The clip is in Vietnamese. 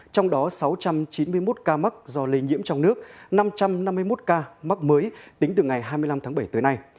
trong đó sáu trăm chín mươi một ca mắc do lây nhiễm trong nước năm trăm năm mươi một ca mắc mới tính từ ngày hai mươi năm tháng bảy tới nay